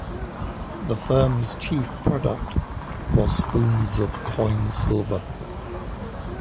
The firm's chief product was spoons of coin silver.